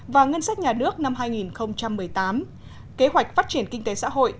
và ngân sách nhà nước năm hai nghìn một mươi tám kế hoạch phát triển kinh tế xã hội